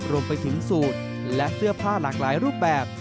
รวมไปถึงสูตรและเสื้อผ้าหลากหลายรูปแบบ